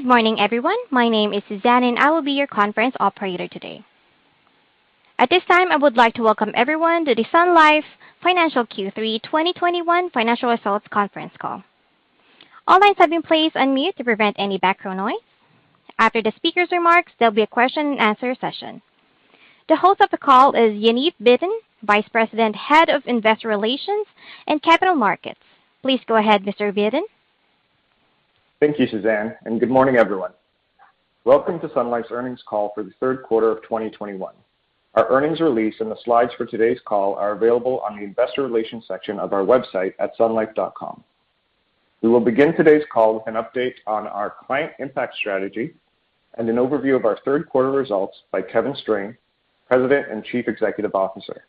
Good morning, everyone. My name is Suzanne, and I will be your conference operator today. At this time, I would like to welcome everyone to the Sun Life Financial Q3 2021 Financial Results Conference Call. All lines have been placed on mute to prevent any background noise. After the speaker's remarks, there'll be a question and answer session. The host of the call is Yaniv Bitton, Vice-President, Head of Investor Relations & Capital Markets. Please go ahead, Mr. Bitton. Thank you, Suzanne, and good morning, everyone. Welcome to Sun Life's earnings call for the third quarter of 2021. Our earnings release and the slides for today's call are available on the investor relations section of our website at sunlife.com. We will begin today's call with an update on our client impact strategy and an overview of our third quarter results by Kevin Strain, President and Chief Executive Officer.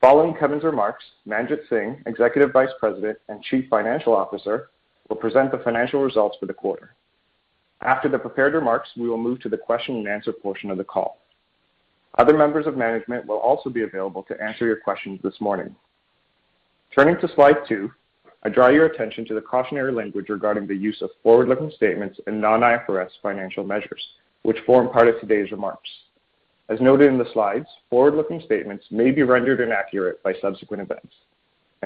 Following Kevin's remarks, Manjit Singh, Executive Vice-President and Chief Financial Officer, will present the financial results for the quarter. After the prepared remarks, we will move to the question and answer portion of the call. Other members of management will also be available to answer your questions this morning. Turning to slide two, I draw your attention to the cautionary language regarding the use of forward-looking statements and non-IFRS financial measures, which form part of today's remarks. As noted in the slides, forward-looking statements may be rendered inaccurate by subsequent events.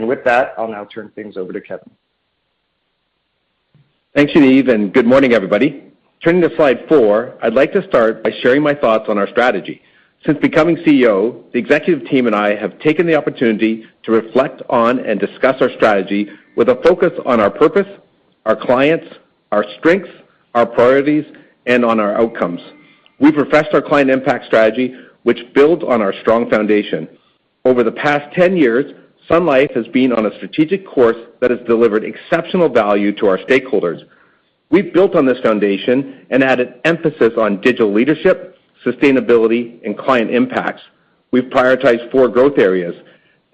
With that, I'll now turn things over to Kevin. Thanks, Yaniv, and good morning, everybody. Turning to slide four, I'd like to start by sharing my thoughts on our strategy. Since becoming CEO, the executive team and I have taken the opportunity to reflect on and discuss our strategy with a focus on our purpose, our clients, our strengths, our priorities, and on our outcomes. We professed our client impact strategy, which builds on our strong foundation. Over the past 10 years, Sun Life has been on a strategic course that has delivered exceptional value to our stakeholders. We've built on this foundation and added emphasis on digital leadership, sustainability, and client impact. We prioritize four growth areas,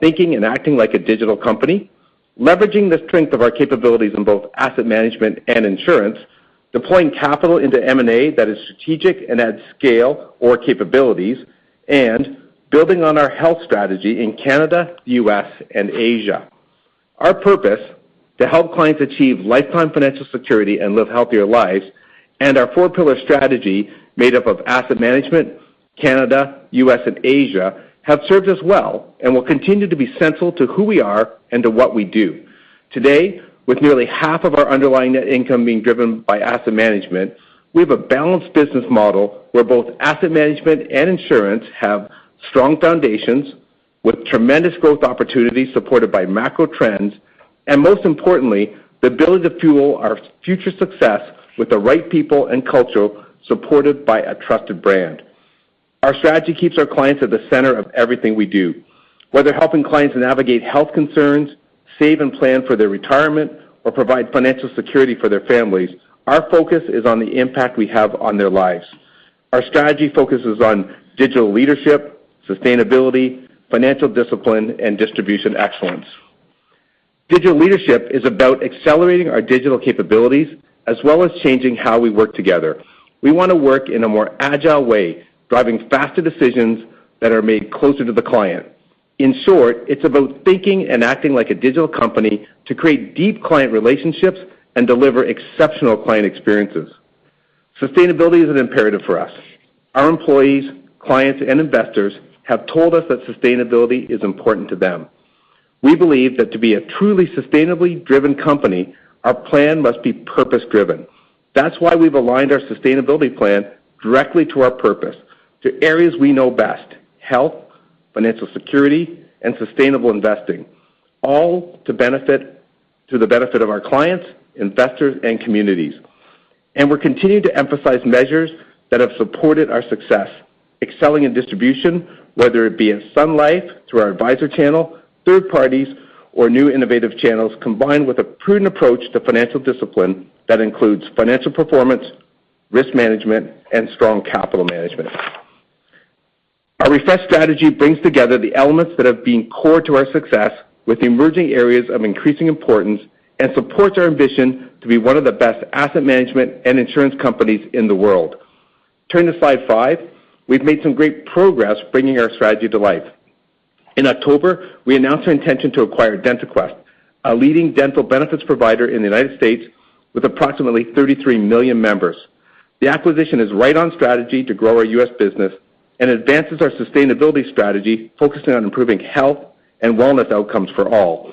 thinking and acting like a digital company, leveraging the strength of our capabilities in both asset management and insurance, deploying capital into M&A that is strategic and adds scale or capabilities, and building on our health strategy in Canada, U.S., and Asia. Our purpose, to help clients achieve lifetime financial security and live healthier lives, and our four-pillar strategy made up of asset management, Canada, U.S., and Asia, have served us well and will continue to be central to who we are and to what we do. Today, with nearly half of our underlying net income being driven by asset management, we have a balanced business model where both asset management and insurance have strong foundations with tremendous growth opportunities supported by macro trends, and most importantly, the ability to fuel our future success with the right people and culture supported by a trusted brand. Our strategy keeps our clients at the center of everything we do. Whether helping clients navigate health concerns, save and plan for their retirement, or provide financial security for their families, our focus is on the impact we have on their lives. Our strategy focuses on digital leadership, sustainability, financial discipline, and distribution excellence. Digital leadership is about accelerating our digital capabilities as well as changing how we work together. We want to work in a more agile way, driving faster decisions that are made closer to the client. In short, it's about thinking and acting like a digital company to create deep client relationships and deliver exceptional client experiences. Sustainability is an imperative for us. Our employees, clients, and investors have told us that sustainability is important to them. We believe that to be a truly sustainably driven company, our plan must be purpose-driven. That's why we've aligned our sustainability plan directly to our purpose, to areas we know best, health, financial security, and sustainable investing, all to the benefit of our clients, investors, and communities. We're continuing to emphasize measures that have supported our success, excelling in distribution, whether it be in Sun Life through our advisor channel, third parties, or new innovative channels, combined with a prudent approach to financial discipline that includes financial performance, risk management, and strong capital management. Our refreshed strategy brings together the elements that have been core to our success with emerging areas of increasing importance and supports our ambition to be one of the best asset management and insurance companies in the world. Turning to slide five, we've made some great progress bringing our strategy to life. In October, we announced our intention to acquire DentaQuest, a leading dental benefits provider in the United States with approximately 33 million members. The acquisition is right on strategy to grow our U.S. business and advances our sustainability strategy, focusing on improving health and wellness outcomes for all.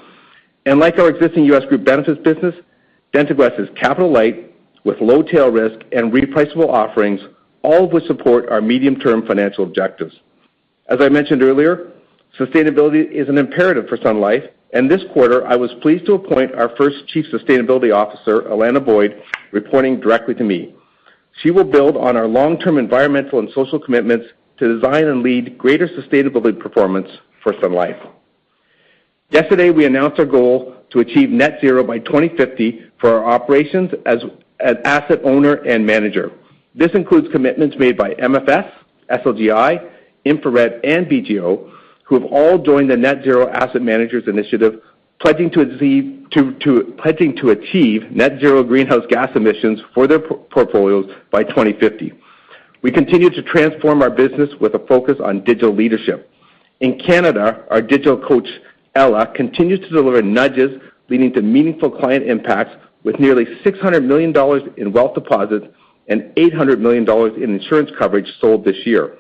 Like our existing U.S. group benefits business, DentaQuest is capital light with low tail risk and repriceable offerings, all of which support our medium-term financial objectives. As I mentioned earlier, sustainability is an imperative for Sun Life, and this quarter, I was pleased to appoint our first Chief Sustainability Officer, Alanna Boyd, reporting directly to me. She will build on our long-term environmental and social commitments to design and lead greater sustainability performance for Sun Life. Yesterday, we announced our goal to achieve net zero by 2050 for our operations as asset owner and manager. This includes commitments made by MFS, SLGI, InfraRed, and BGO, who have all joined the Net Zero Asset Managers initiative, pledging to achieve net zero greenhouse gas emissions for their portfolios by 2050. We continue to transform our business with a focus on digital leadership. In Canada, our digital coach, Ella, continues to deliver nudges leading to meaningful client impacts with nearly 600 million dollars in wealth deposits and 800 million dollars in insurance coverage sold this year.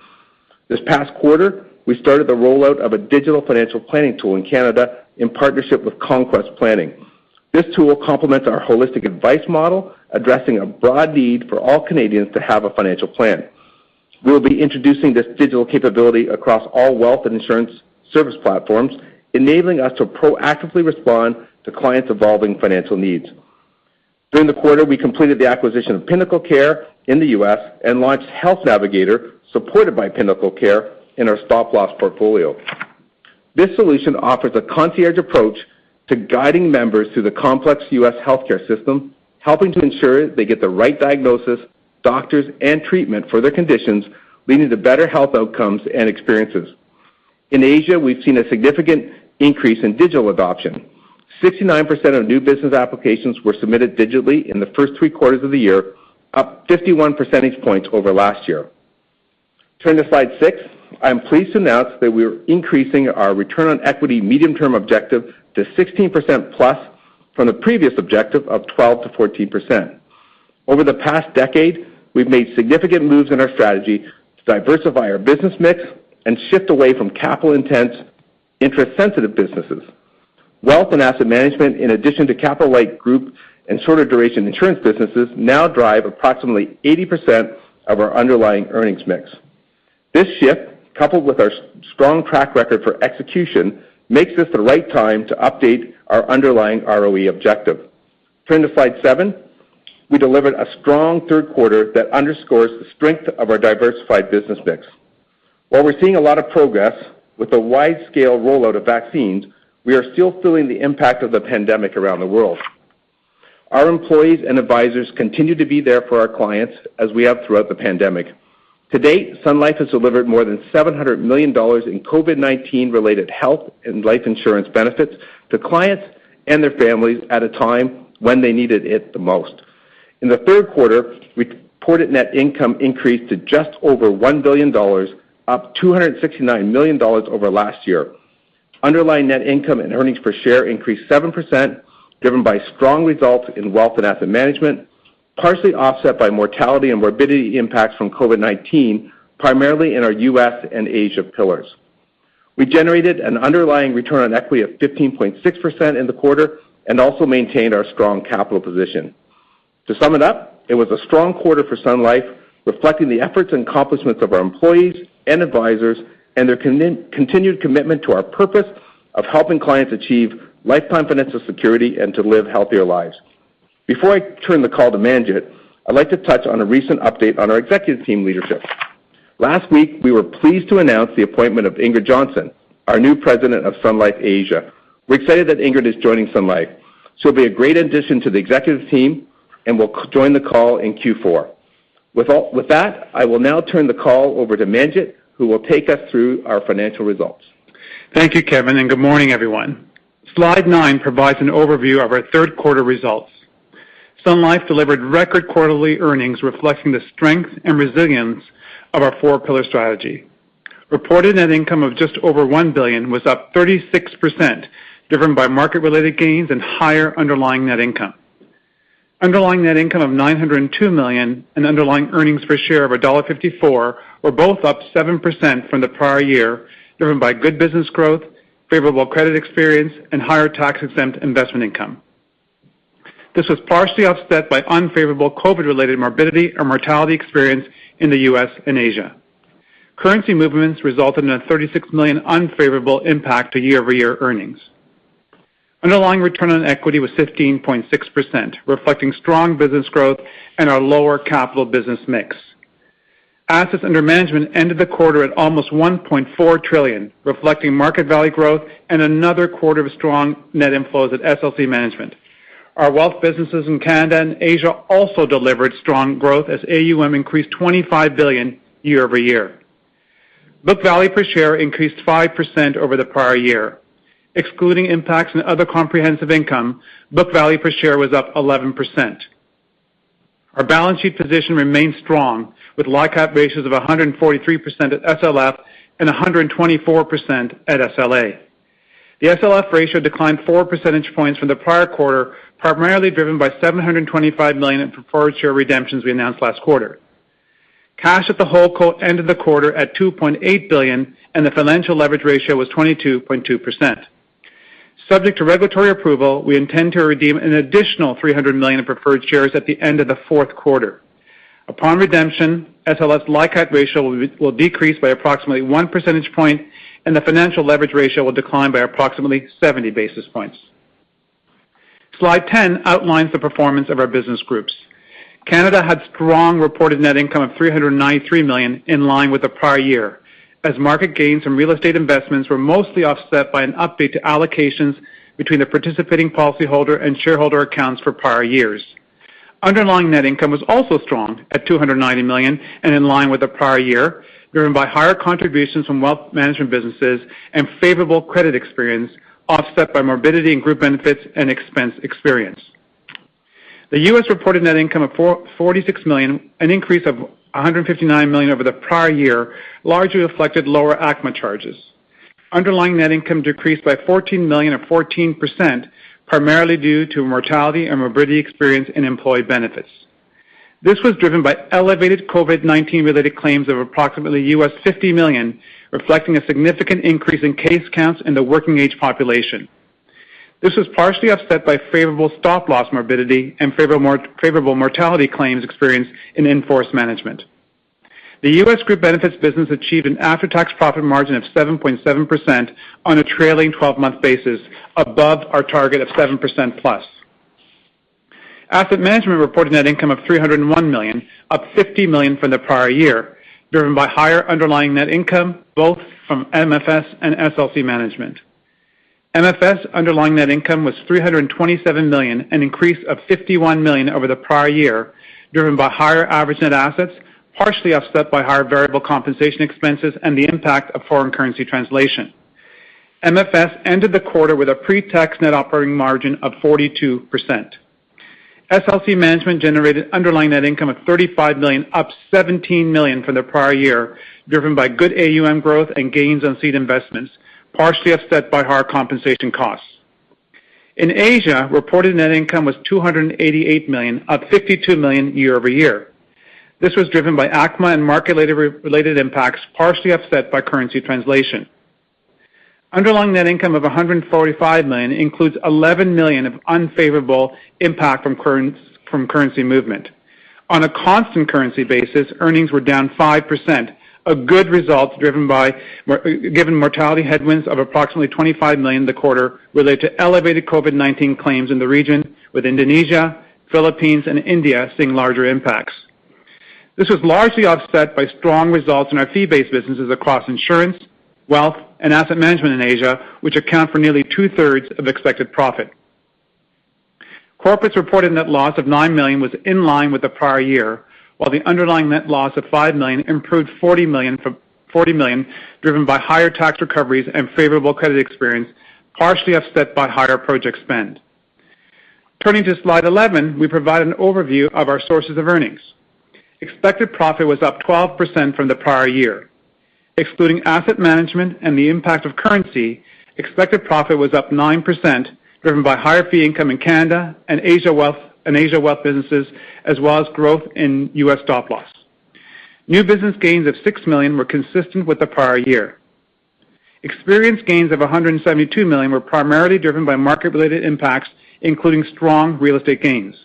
This past quarter, we started the rollout of a digital financial planning tool in Canada in partnership with Conquest Planning. This tool complements our holistic advice model, addressing a broad need for all Canadians to have a financial plan. We'll be introducing this digital capability across all wealth and insurance service platforms, enabling us to proactively respond to clients' evolving financial needs. During the quarter, we completed the acquisition of PinnacleCare in the U.S. and launched Health Navigator, supported by PinnacleCare in our stop-loss portfolio. This solution offers a concierge approach to guiding members through the complex U.S. healthcare system, helping to ensure they get the right diagnosis, doctors, and treatment for their conditions, leading to better health outcomes and experiences. In Asia, we've seen a significant increase in digital adoption. 69% of new business applications were submitted digitally in the first three quarters of the year, up 51 percentage points over last year. Turn to slide six. I am pleased to announce that we are increasing our return on equity medium-term objective to 16%+ from the previous objective of 12%-14%. Over the past decade, we've made significant moves in our strategy to diversify our business mix and shift away from capital-intensive, interest-sensitive businesses. Wealth and asset management, in addition to capital-light group and shorter duration insurance businesses, now drive approximately 80% of our underlying earnings mix. This shift, coupled with our strong track record for execution, makes this the right time to update our underlying ROE objective. Turn to slide seven. We delivered a strong third quarter that underscores the strength of our diversified business mix. While we're seeing a lot of progress with the widespread rollout of vaccines, we are still feeling the impact of the pandemic around the world. Our employees and advisors continue to be there for our clients as we have throughout the pandemic. To date, Sun Life has delivered more than 700 million dollars in COVID-19 related health and life insurance benefits to clients and their families at a time when they needed it the most. In the third quarter, reported net income increased to just over 1 billion dollars, up 269 million dollars over last year. Underlying net income and earnings per share increased 7%, driven by strong results in wealth and asset management, partially offset by mortality and morbidity impacts from COVID-19, primarily in our U.S. and Asia pillars. We generated an underlying return on equity of 15.6% in the quarter and also maintained our strong capital position. To sum it up, it was a strong quarter for Sun Life, reflecting the efforts and accomplishments of our employees and advisors and their continued commitment to our purpose of helping clients achieve lifetime financial security and to live healthier lives. Before I turn the call to Manjit, I'd like to touch on a recent update on our executive team leadership. Last week, we were pleased to announce the appointment of Ingrid Johnson, our new President of Sun Life Asia. We're excited that Ingrid is joining Sun Life. She'll be a great addition to the executive team and will join the call in Q4. With that, I will now turn the call over to Manjit, who will take us through our financial results. Thank you, Kevin, and good morning, everyone. Slide nine provides an overview of our third quarter results. Sun Life delivered record quarterly earnings reflecting the strength and resilience of our four-pillar strategy. Reported net income of just over 1 billion was up 36%, driven by market-related gains and higher underlying net income. Underlying net income of 902 million and underlying earnings per share of dollar 1.54 were both up 7% from the prior year, driven by good business growth, favorable credit experience, and higher tax-exempt investment income. This was partially offset by unfavorable COVID-related morbidity or mortality experience in the U.S. and Asia. Currency movements resulted in a 36 million unfavorable impact to year-over-year earnings. Underlying return on equity was 15.6%, reflecting strong business growth and our lower capital business mix. Assets under management ended the quarter at almost 1.4 trillion, reflecting market value growth and another quarter of strong net inflows at SLC Management. Our wealth businesses in Canada and Asia also delivered strong growth as AUM increased 25 billion year-over-year. Book value per share increased 5% over the prior year. Excluding impacts in other comprehensive income, book value per share was up 11%. Our balance sheet position remains strong with LICAT ratios of 143% at SLF and 124% at SLA. The SLF ratio declined 4 percentage points from the prior quarter, primarily driven by 725 million in preferred share redemptions we announced last quarter. Cash at the holding company ended the quarter at 2.8 billion, and the financial leverage ratio was 22.2%. Subject to regulatory approval, we intend to redeem an additional 300 million in preferred shares at the end of the fourth quarter. Upon redemption, SLF LICAT ratio will decrease by approximately 1 percentage point, and the financial leverage ratio will decline by approximately 70 basis points. Slide 10 outlines the performance of our business groups. Canada had strong reported net income of 393 million, in line with the prior year, as market gains and real estate investments were mostly offset by an update to allocations between the participating policy holder and shareholder accounts for prior years. Underlying net income was also strong at 290 million and in line with the prior year, driven by higher contributions from wealth management businesses and favorable credit experience offset by morbidity and group benefits and expense experience. The U.S. reported net income of 446 million, an increase of 159 million over the prior year, largely reflected lower ACMA charges. Underlying net income decreased by 14 million or 14%, primarily due to mortality and morbidity experience in employee benefits. This was driven by elevated COVID-19 related claims of approximately $50 million, reflecting a significant increase in case counts in the working age population. This was partially offset by favorable stop-loss morbidity and favorable mortality claims experienced in in-force management. The U.S. group benefits business achieved an after-tax profit margin of 7.7% on a trailing twelve-month basis above our target of 7%+. Asset Management reported net income of 301 million, up 50 million from the prior year, driven by higher underlying net income, both from MFS and SLC Management. MFS underlying net income was 327 million, an increase of 51 million over the prior year, driven by higher average net assets, partially offset by higher variable compensation expenses and the impact of foreign currency translation. MFS ended the quarter with a pre-tax net operating margin of 42%. SLC Management generated underlying net income of 35 million, up 17 million from the prior year, driven by good AUM growth and gains on seed investments, partially offset by higher compensation costs. In Asia, reported net income was 288 million, up 52 million year-over-year. This was driven by ACMA and market related impacts, partially offset by currency translation. Underlying net income of 145 million includes 11 million of unfavorable impact from currency movement. On a constant currency basis, earnings were down 5%, a good result given mortality headwinds of approximately 25 million in the quarter related to elevated COVID-19 claims in the region, with Indonesia, Philippines, and India seeing larger impacts. This was largely offset by strong results in our fee-based businesses across insurance, wealth, and asset management in Asia, which account for nearly 2/3 of expected profit. Corporate's reported net loss of 9 million was in line with the prior year, while the underlying net loss of 5 million improved 40 million, driven by higher tax recoveries and favorable credit experience, partially offset by higher project spend. Turning to slide 11, we provide an overview of our sources of earnings. Expected profit was up 12% from the prior year. Excluding asset management and the impact of currency, expected profit was up 9%, driven by higher fee income in Canada and Asia wealth businesses, as well as growth in U.S. stop-loss. New business gains of 6 million were consistent with the prior year. Experience gains of 172 million were primarily driven by market related impacts, including strong real estate gains.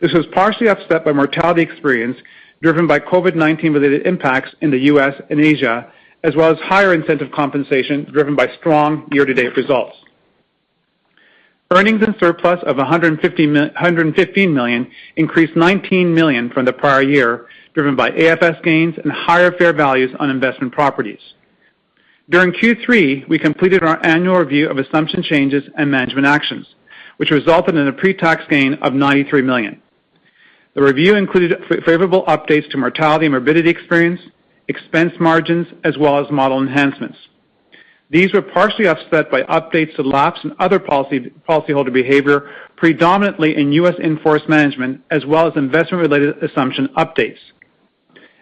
This was partially offset by mortality experience driven by COVID-19 related impacts in the U.S. and Asia, as well as higher incentive compensation driven by strong year-to-date results. Earnings in surplus of 115 million increased 19 million from the prior year, driven by AFS gains and higher fair values on investment properties. During Q3, we completed our annual review of assumption changes and management actions, which resulted in a pre-tax gain of 93 million. The review included favorable updates to mortality and morbidity experience, expense margins, as well as model enhancements. These were partially offset by updates to lapse and other policyholder behavior, predominantly in U.S. in-force management as well as investment related assumption updates.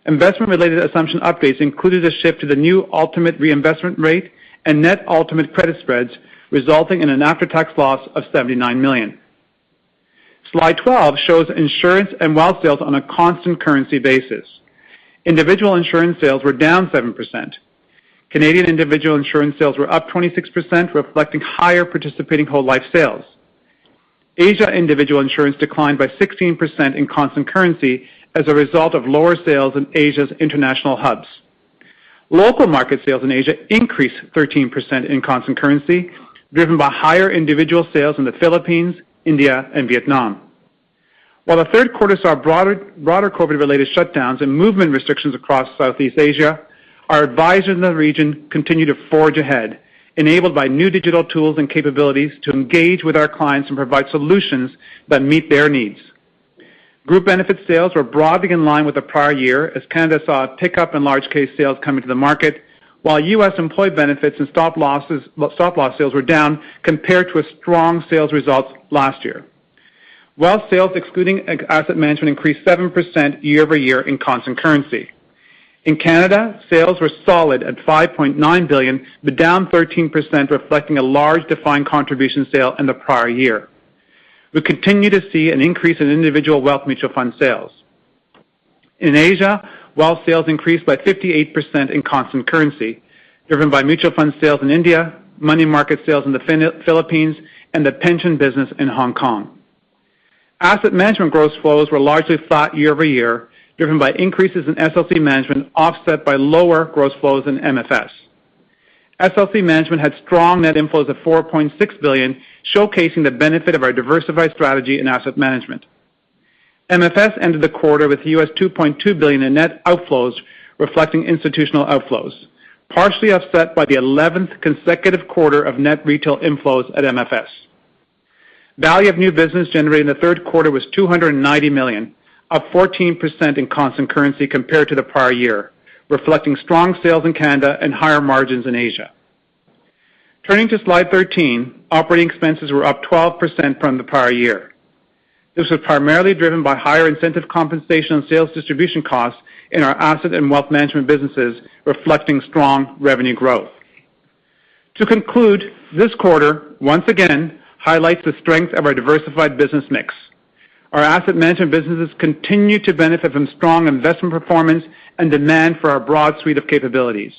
Investment related assumption updates included a shift to the new ultimate reinvestment rate and net ultimate credit spreads, resulting in an after-tax loss of 79 million. Slide 12 shows insurance and wealth sales on a constant currency basis. Individual insurance sales were down 7%. Canadian individual insurance sales were up 26%, reflecting higher participating whole life sales. Asia individual insurance declined by 16% in constant currency as a result of lower sales in Asia's international hubs. Local market sales in Asia increased 13% in constant currency, driven by higher individual sales in the Philippines, India, and Vietnam. While the third quarter saw broader COVID related shutdowns and movement restrictions across Southeast Asia, our advisors in the region continued to forge ahead, enabled by new digital tools and capabilities to engage with our clients and provide solutions that meet their needs. Group benefit sales were broadly in line with the prior year as Canada saw a pickup in large case sales coming to the market, while U.S. employee benefits and stop-loss sales were down compared to a strong sales results last year. Wealth sales, excluding asset management, increased 7% year-over-year in constant currency. In Canada, sales were solid at 5.9 billion, but down 13%, reflecting a large defined contribution sale in the prior year. We continue to see an increase in individual wealth mutual fund sales. In Asia, wealth sales increased by 58% in constant currency, driven by mutual fund sales in India, money market sales in the Philippines, and the pension business in Hong Kong. Asset management gross flows were largely flat year-over-year, driven by increases in SLC Management offset by lower gross flows in MFS. SLC Management had strong net inflows of 4.6 billion, showcasing the benefit of our diversified strategy in asset management. MFS ended the quarter with $2.2 billion in net outflows, reflecting institutional outflows, partially offset by the 11th consecutive quarter of net retail inflows at MFS. Value of new business generated in the third quarter was 290 million, up 14% in constant currency compared to the prior year, reflecting strong sales in Canada and higher margins in Asia. Turning to slide 13, operating expenses were up 12% from the prior year. This was primarily driven by higher incentive compensation and sales distribution costs in our asset and wealth management businesses, reflecting strong revenue growth. To conclude, this quarter once again highlights the strength of our diversified business mix. Our asset management businesses continue to benefit from strong investment performance and demand for our broad suite of capabilities.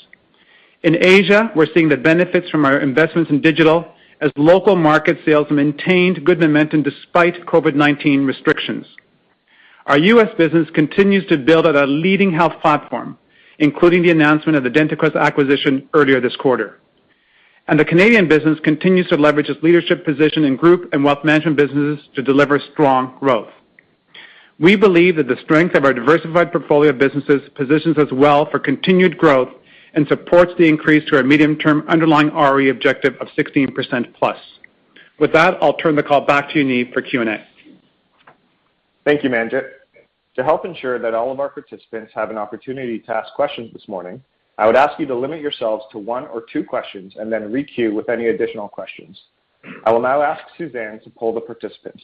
In Asia, we're seeing the benefits from our investments in digital as local market sales maintained good momentum despite COVID-19 restrictions. Our U.S. business continues to build a leading health platform, including the announcement of the DentaQuest acquisition earlier this quarter. The Canadian business continues to leverage its leadership position in group and wealth management businesses to deliver strong growth. We believe that the strength of our diversified portfolio of businesses positions us well for continued growth and supports the increase to our medium-term underlying ROE objective of 16%+. With that, I'll turn the call back to you, Yaniv, for Q&A. Thank you, Manjit. To help ensure that all of our participants have an opportunity to ask questions this morning, I would ask you to limit yourselves to one or two questions and then re-queue with any additional questions. I will now ask Suzanne to poll the participants.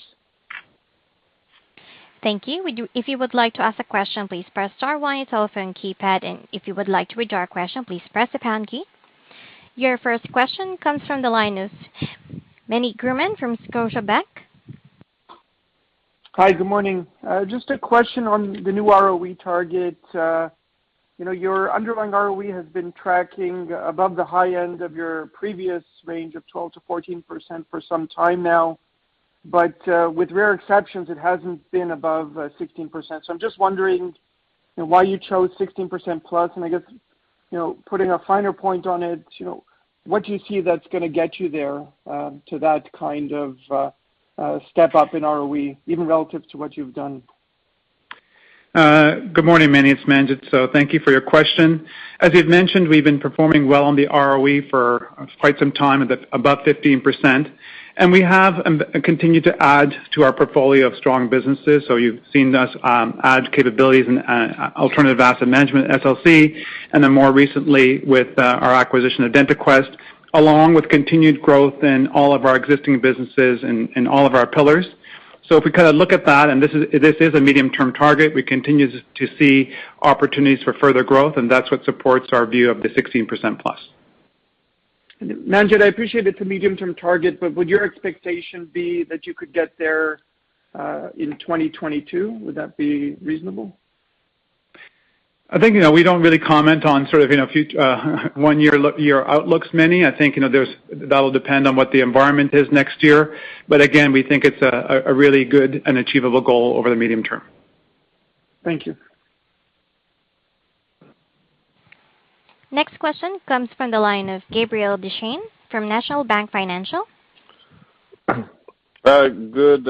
Thank you. If you would like to ask a question, please press star one on your telephone keypad, and if you would like to withdraw a question, please press the pound key. Your first question comes from the line of Meny Grauman from Scotiabank. Hi, good morning. Just a question on the new ROE target. You know, your underlying ROE has been tracking above the high end of your previous range of 12%-14% for some time now. With rare exceptions, it hasn't been above 16%. I'm just wondering, you know, why you chose 16%+, and I guess, you know, putting a finer point on it, you know, what do you see that's going to get you there, to that kind of step up in ROE, even relative to what you've done? Good morning, Meny, it's Manjit. Thank you for your question. As you've mentioned, we've been performing well on the ROE for quite some time at above 15%. We have continued to add to our portfolio of strong businesses. You've seen us add capabilities in alternative asset management, SLC, and then more recently with our acquisition of DentaQuest, along with continued growth in all of our existing businesses and all of our pillars. If we kind of look at that, and this is a medium-term target, we continue to see opportunities for further growth, and that's what supports our view of the 16%+. Manjit, I appreciate it's a medium-term target, but would your expectation be that you could get there in 2022? Would that be reasonable? I think, you know, we don't really comment on sort of, you know, one-year outlooks, Meny. I think, you know, that will depend on what the environment is next year. Again, we think it's a really good and achievable goal over the medium term. Thank you. Next question comes from the line of Gabriel Dechaine from National Bank Financial. Good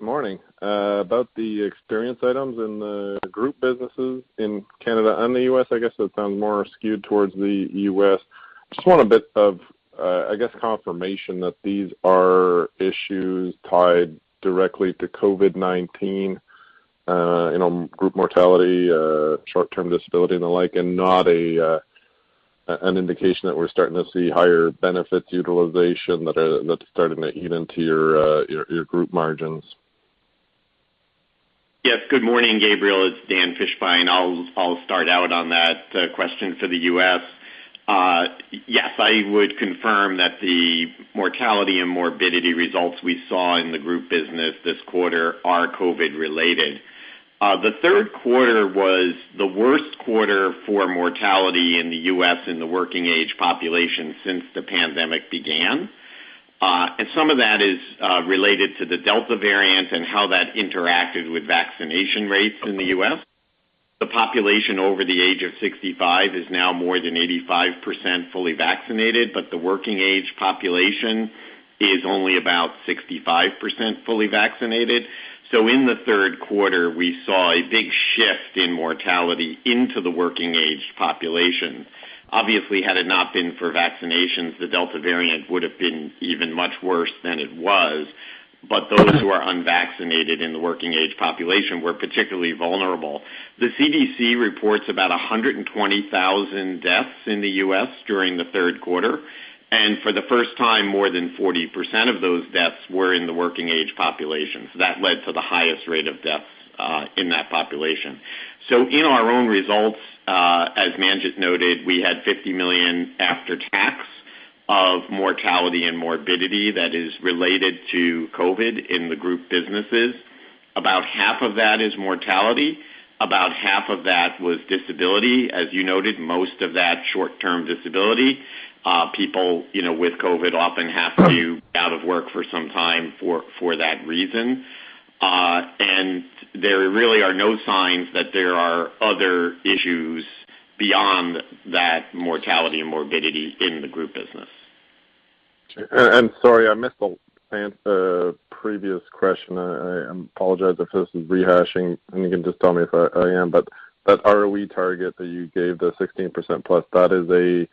morning. About the experience items in the group businesses in Canada and the U.S., I guess that sounds more skewed towards the U.S. Just want a bit of, I guess, confirmation that these are issues tied directly to COVID-19, you know, group mortality, short-term disability and the like, and not an indication that we're starting to see higher benefits utilization that's starting to eat into your group margins. Yes. Good morning, Gabriel. It's Dan Fishbein. I'll start out on that question for the U.S. Yes, I would confirm that the mortality and morbidity results we saw in the group business this quarter are COVID related. The third quarter was the worst quarter for mortality in the U.S. in the working age population since the pandemic began. Some of that is related to the Delta variant and how that interacted with vaccination rates in the U.S. The population over the age of 65 is now more than 85% fully vaccinated, but the working age population is only about 65% fully vaccinated. In the third quarter, we saw a big shift in mortality into the working age population. Obviously, had it not been for vaccinations, the Delta variant would have been even much worse than it was. Those who are unvaccinated in the working age population were particularly vulnerable. The CDC reports about 120,000 deaths in the U.S. during the third quarter, and for the first time, more than 40% of those deaths were in the working age population. That led to the highest rate of deaths in that population. In our own results, as Manjit noted, we had $50 million after tax of mortality and morbidity that is related to COVID in the group businesses. About half of that is mortality, about half of that was disability. As you noted, most of that short-term disability, people you know with COVID often have to be out of work for some time for that reason. There really are no signs that there are other issues beyond that mortality and morbidity in the group business. Sorry, I missed the previous question. I apologize if this is rehashing, and you can just tell me if I am. That ROE target that you gave, the 16%+, that is, you know,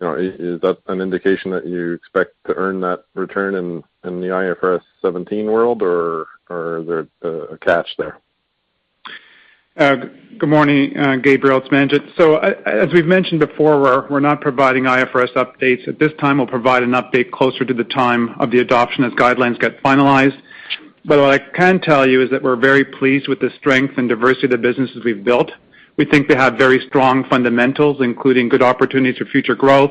is that an indication that you expect to earn that return in the IFRS 17 world, or is there a catch there? Good morning, Gabriel. It's Manjit. As we've mentioned before, we're not providing IFRS updates at this time. We'll provide an update closer to the time of the adoption as guidelines get finalized. What I can tell you is that we're very pleased with the strength and diversity of the businesses we've built. We think they have very strong fundamentals, including good opportunities for future growth.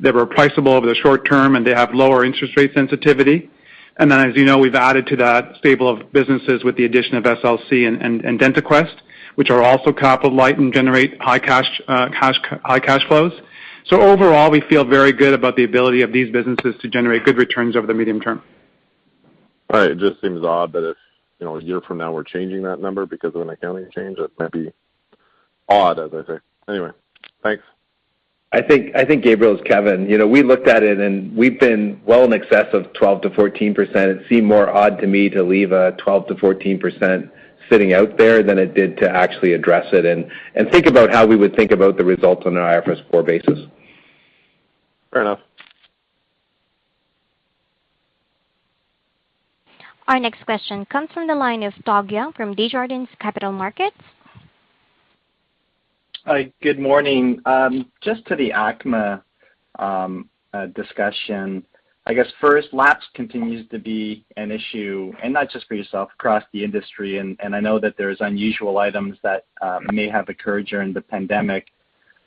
They were pricable over the short term, and they have lower interest rate sensitivity. Then as you know, we've added to that stable of businesses with the addition of SLC and DentaQuest, which are also capital light and generate high cash flows. Overall, we feel very good about the ability of these businesses to generate good returns over the medium term. All right. It just seems odd that if, you know, a year from now we're changing that number because of an accounting change, that might be odd, as I say. Anyway, thanks. I think Gabriel, it's Kevin. You know, we looked at it, and we've been well in excess of 12%-14%. It seemed more odd to me to leave a 12%-14% sitting out there than it did to actually address it and think about how we would think about the results on an IFRS core basis. Fair enough. Our next question comes from the line of Doug Young from Desjardins Capital Markets. Hi, good morning. Just to the ACMA discussion. I guess first, lapse continues to be an issue, and not just for yourself, across the industry, and I know that there's unusual items that may have occurred during the pandemic.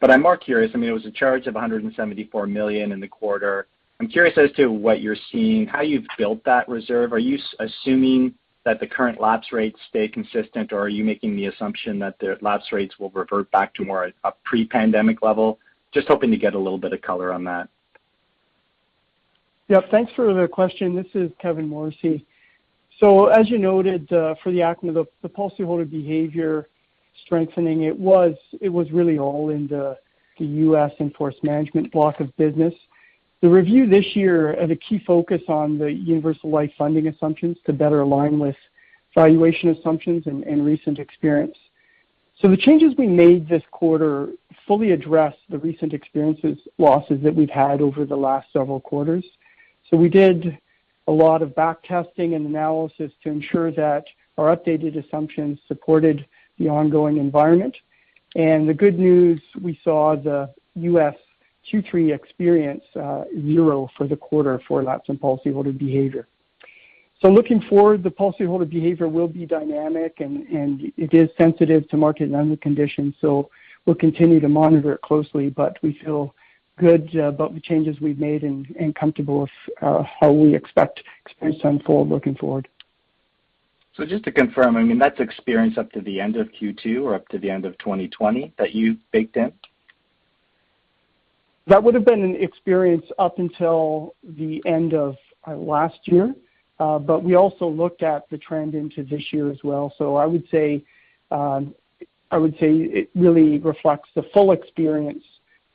I'm more curious, I mean, it was a charge of 174 million in the quarter. I'm curious as to what you're seeing, how you've built that reserve. Are you assuming that the current lapse rates stay consistent, or are you making the assumption that the lapse rates will revert back to more a pre-pandemic level? Just hoping to get a little bit of color on that. Yeah, thanks for the question. This is Kevin Morrissey. As you noted, for the ACMA, the policyholder behavior strengthening, it was really all in the U.S. and forced management block of business. The review this year had a key focus on the universal life funding assumptions to better align with valuation assumptions and recent experience. The changes we made this quarter fully address the recent experiences losses that we've had over the last several quarters. We did a lot of back testing and analysis to ensure that our updated assumptions supported the ongoing environment. The good news, we saw the U.S. Q3 experience zero for the quarter for lapse in policyholder behavior. Looking forward, the policyholder behavior will be dynamic and it is sensitive to market and other conditions. We'll continue to monitor it closely, but we feel good about the changes we've made and comfortable with how we expect experience to unfold looking forward. Just to confirm, I mean, that's experience up to the end of Q2 or up to the end of 2020 that you baked in? That would have been an experience up until the end of last year. We also looked at the trend into this year as well. I would say it really reflects the full experience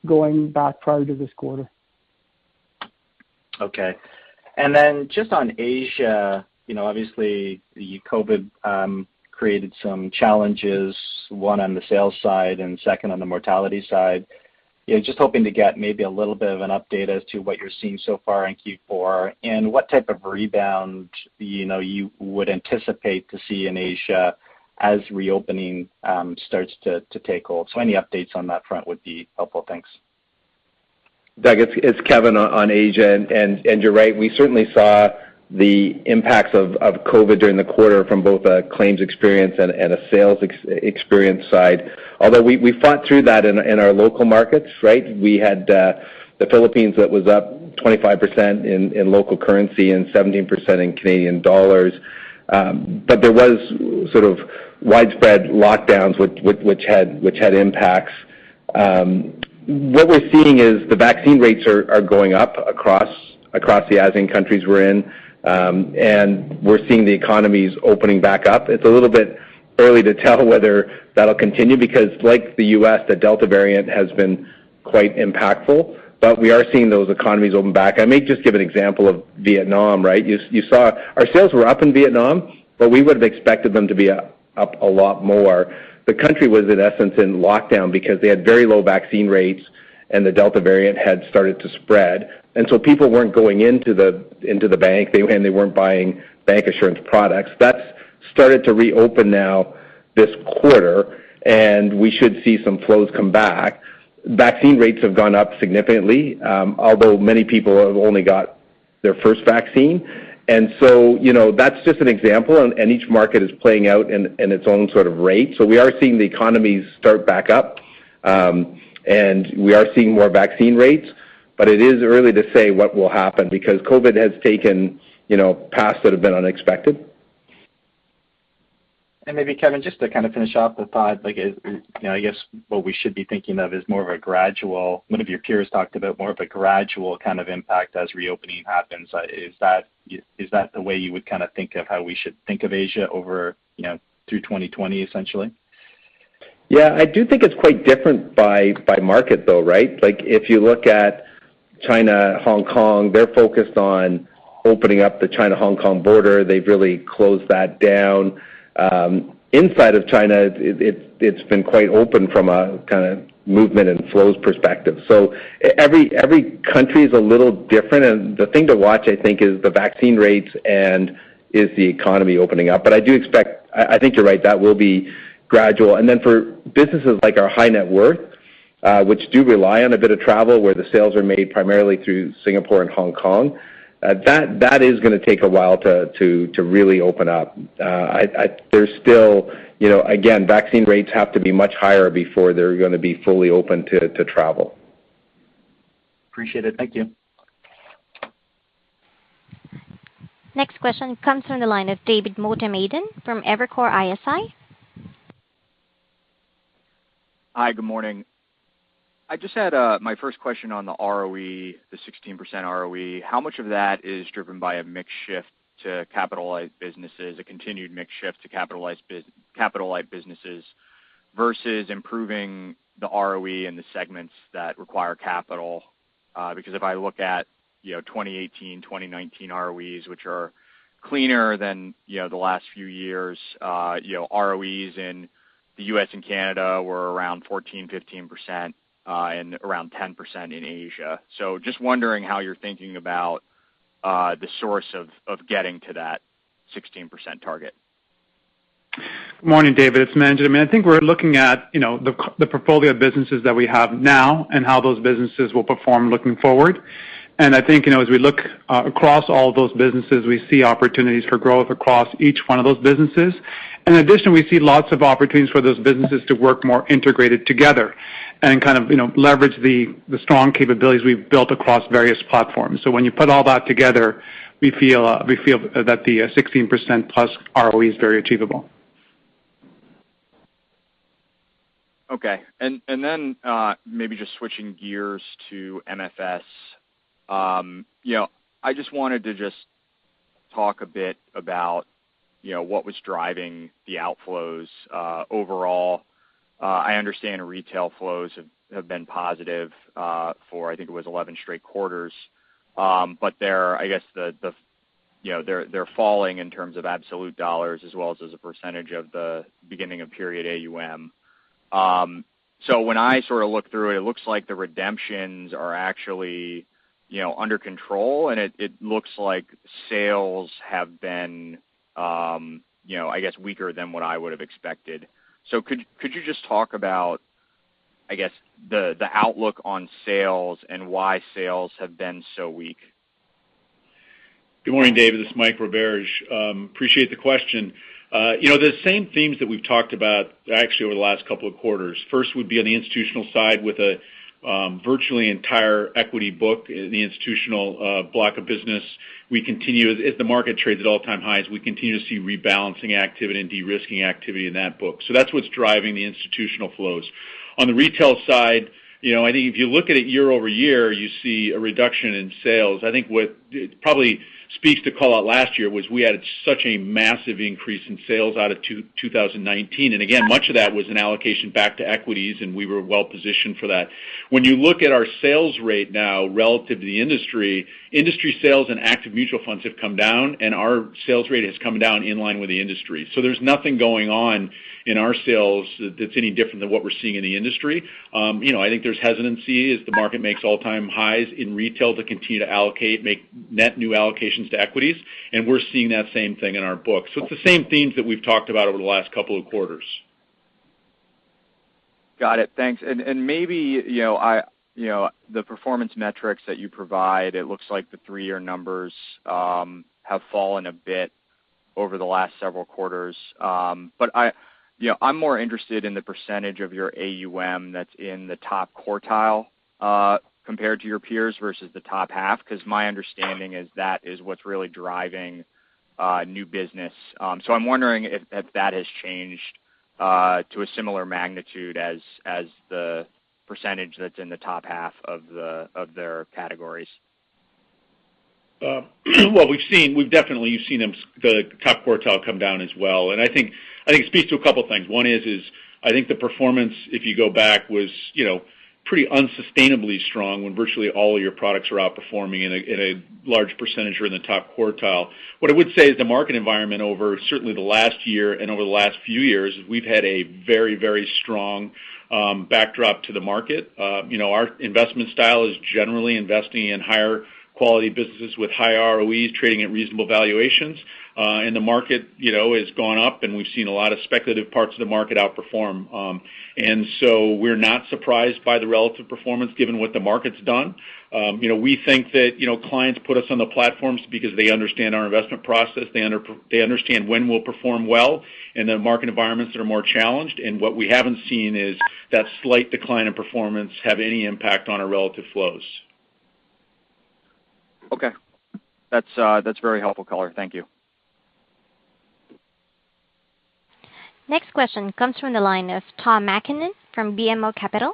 going back prior to this quarter. Okay. Just on Asia, you know, obviously, the COVID created some challenges, one on the sales side and second on the mortality side. You know, just hoping to get maybe a little bit of an update as to what you're seeing so far in Q4 and what type of rebound, you know, you would anticipate to see in Asia as reopening starts to take hold. Any updates on that front would be helpful. Thanks. Doug, it's Kevin on Asia. You're right, we certainly saw the impacts of COVID during the quarter from both a claims experience and a sales experience side. Although we fought through that in our local markets, right? We had the Philippines that was up 25% in local currency and 17% in Canadian dollars. There was sort of widespread lockdowns which had impacts. What we're seeing is the vaccine rates are going up across the Asian countries we're in, and we're seeing the economies opening back up. It's a little bit early to tell whether that'll continue because like the U.S., the Delta variant has been quite impactful, but we are seeing those economies open back. I may just give an example of Vietnam, right? You saw our sales were up in Vietnam, but we would have expected them to be up a lot more. The country was in essence in lockdown because they had very low vaccine rates, and the Delta variant had started to spread. People weren't going into the bank, they weren't buying bank insurance products. That's started to reopen now this quarter, and we should see some flows come back. Vaccine rates have gone up significantly, although many people have only got their first vaccine. You know, that's just an example. Each market is playing out in its own sort of rate. We are seeing the economies start back up, and we are seeing more vaccine rates. It is early to say what will happen because COVID has taken, you know, paths that have been unexpected. Maybe Kevin, just to kind of finish off the thought, like, you know, I guess what we should be thinking of is more of a gradual. One of your peers talked about more of a gradual kind of impact as reopening happens. Is that, is that the way you would kinda think of how we should think of Asia over, you know, through 2020, essentially? Yeah. I do think it's quite different by market though, right? Like, if you look at China, Hong Kong, they're focused on opening up the China-Hong Kong border. They've really closed that down. Inside of China, it's been quite open from a kinda movement and flows perspective. Every country is a little different. The thing to watch, I think, is the vaccine rates and is the economy opening up. I do expect. I think you're right, that will be gradual. Then for businesses like our high net worth which do rely on a bit of travel where the sales are made primarily through Singapore and Hong Kong. That is going to take a while to really open up. There's still, you know, again, vaccine rates have to be much higher before they're going to be fully open to travel. Appreciate it. Thank you. Next question comes from the line of David Motemaden from Evercore ISI. Hi, good morning. I just had my first question on the ROE, the 16% ROE. How much of that is driven by a mix shift to capitalize businesses, a continued mix shift to capital light businesses versus improving the ROE in the segments that require capital? Because if I look at, you know, 2018, 2019 ROEs, which are cleaner than, you know, the last few years, you know, ROEs in the U.S. and Canada were around 14%, 15%, and around 10% in Asia. Just wondering how you're thinking about the source of getting to that 16% target. Morning, David, it's Manjit. I mean, I think we're looking at, you know, the portfolio of businesses that we have now and how those businesses will perform looking forward. I think, you know, as we look across all those businesses, we see opportunities for growth across each one of those businesses. In addition, we see lots of opportunities for those businesses to work more integrated together and kind of, you know, leverage the strong capabilities we've built across various platforms. When you put all that together, we feel that the 16%+ ROE is very achievable. Okay. Then maybe just switching gears to MFS. You know, I just wanted to talk a bit about, you know, what was driving the outflows overall. I understand retail flows have been positive for I think it was 11 straight quarters. They're, I guess, falling in terms of absolute dollars as well as a percentage of the beginning of period AUM. When I sort of look through it looks like the redemptions are actually under control, and it looks like sales have been weaker than what I would have expected. Could you just talk about, I guess, the outlook on sales and why sales have been so weak? Good morning, David. This is Mike Roberge. Appreciate the question. You know, the same themes that we've talked about actually over the last couple of quarters. First would be on the institutional side with a virtually entire equity book in the institutional block of business. We continue as the market trades at all-time highs, we continue to see rebalancing activity and de-risking activity in that book. So that's what's driving the institutional flows. On the retail side, you know, I think if you look at it year-over-year, you see a reduction in sales. I think what probably speaks to call out last year was we had such a massive increase in sales out of 2020-2019. Again, much of that was an allocation back to equities, and we were well-positioned for that. When you look at our sales rate now relative to the industry sales and active mutual funds have come down, and our sales rate has come down in line with the industry. There's nothing going on in our sales that's any different than what we're seeing in the industry. You know, I think there's hesitancy as the market makes all-time highs in retail to continue to allocate, make net new allocations to equities, and we're seeing that same thing in our books. It's the same themes that we've talked about over the last couple of quarters. Got it. Thanks. Maybe the performance metrics that you provide, it looks like the three-year numbers have fallen a bit over the last several quarters. I'm more interested in the percentage of your AUM that's in the top quartile compared to your peers versus the top half, 'cause my understanding is that is what's really driving new business. I'm wondering if that has changed to a similar magnitude as the percentage that's in the top half of their categories. Well, we've definitely seen the top quartile come down as well. I think it speaks to a couple of things. One is I think the performance, if you go back, was, you know, pretty unsustainably strong when virtually all of your products were outperforming in a large percentage or in the top quartile. What I would say is the market environment over certainly the last year and over the last few years, we've had a very, very strong backdrop to the market. You know, our investment style is generally investing in higher quality businesses with high ROEs trading at reasonable valuations. And the market, you know, has gone up, and we've seen a lot of speculative parts of the market outperform. We're not surprised by the relative performance given what the market's done. You know, we think that, you know, clients put us on the platforms because they understand our investment process. They understand when we'll perform well in the market environments that are more challenged. What we haven't seen is that slight decline in performance have any impact on our relative flows. Okay. That's very helpful, caller. Thank you. Next question comes from the line of Tom MacKinnon from BMO Capital.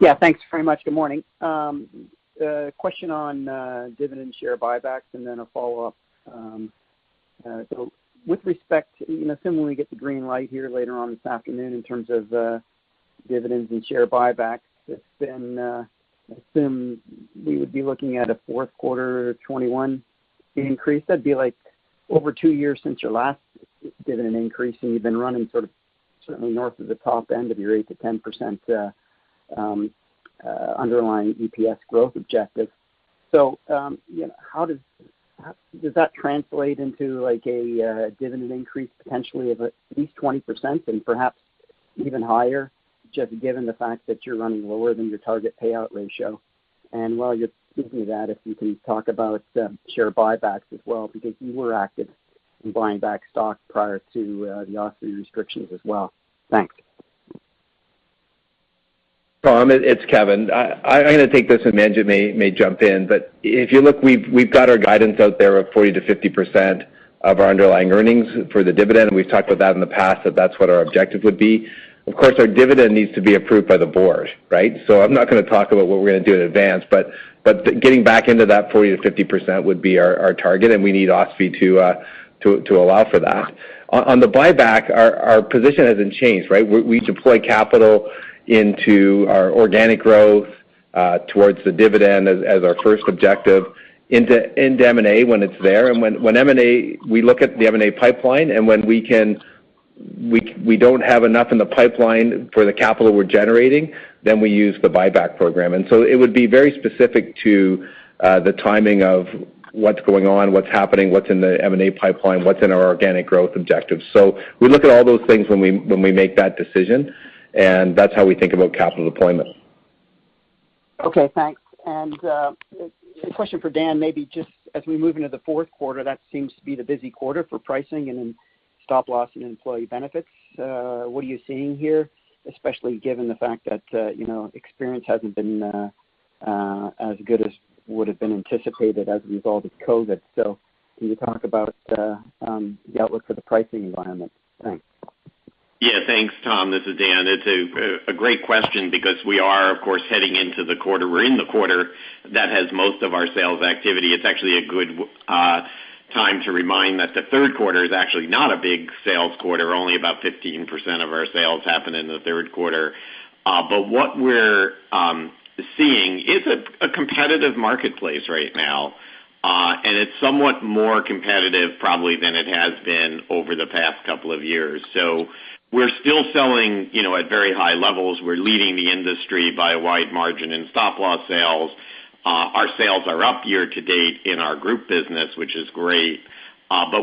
Yeah, thanks very much. Good morning. A question on dividend share buybacks and then a follow-up. With respect, you know, assuming we get the green light here later on this afternoon in terms of dividends and share buybacks, it's been, I assume we would be looking at a fourth quarter 2021 increase. That'd be like over two years since your last dividend increase, and you've been running sort of certainly north of the top end of your 8%-10% underlying EPS growth objective. You know, how does that translate into like a dividend increase potentially of at least 20% and perhaps even higher, just given the fact that you're running lower than your target payout ratio? While you're speaking of that, if you can talk about share buybacks as well, because you were active in buying back stock prior to the OSFI restrictions as well. Thanks. Tom, it's Kevin. I'm going to take this, and Manjit may jump in. If you look, we've got our guidance out there of 40%-50% of our underlying earnings for the dividend, and we've talked about that in the past, that's what our objective would be. Of course, our dividend needs to be approved by the board, right? I'm not going to talk about what we're going to do in advance, but getting back into that 40%-50% would be our target, and we need OSFI to allow for that. On the buyback, our position hasn't changed, right? We deploy capital into our organic growth, towards the dividend as our first objective, into M&A when it's there. When M&A, we look at the M&A pipeline, and when we can, we don't have enough in the pipeline for the capital we're generating, then we use the buyback program. It would be very specific to the timing of what's going on, what's happening, what's in the M&A pipeline, what's in our organic growth objectives. We look at all those things when we make that decision, and that's how we think about capital deployment. Okay, thanks. A question for Dan, maybe just as we move into the fourth quarter, that seems to be the busy quarter for pricing and then stop-loss and employee benefits. What are you seeing here, especially given the fact that, you know, experience hasn't been as good as would have been anticipated as a result of COVID? Can you talk about the outlook for the pricing environment? Thanks. Yeah. Thanks, Tom. This is Dan. It's a great question because we are, of course, heading into the quarter. We're in the quarter that has most of our sales activity. It's actually a good time to remind that the third quarter is actually not a big sales quarter. Only about 15% of our sales happen in the third quarter. What we're seeing is a competitive marketplace right now. It's somewhat more competitive probably than it has been over the past couple of years. We're still selling, you know, at very high levels. We're leading the industry by a wide margin in stop-loss sales. Our sales are up year-to-date in our group business, which is great.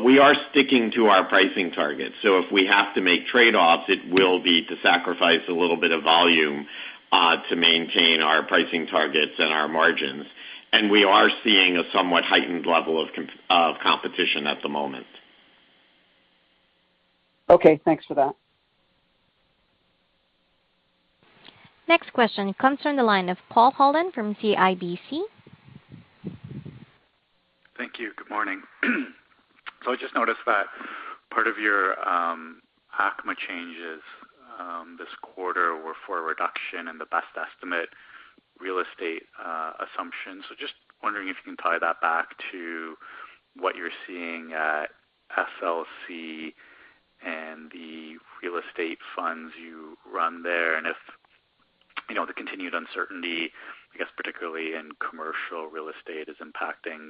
We are sticking to our pricing targets. If we have to make trade-offs, it will be to sacrifice a little bit of volume, to maintain our pricing targets and our margins. We are seeing a somewhat heightened level of competition at the moment. Okay, thanks for that. Next question comes from the line of Paul Holden from CIBC. Thank you. Good morning. I just noticed that part of your ACMA changes this quarter were for a reduction in the best estimate real estate assumption. Just wondering if you can tie that back to what you're seeing at SLC and the real estate funds you run there, and if, you know, the continued uncertainty, I guess, particularly in commercial real estate, is impacting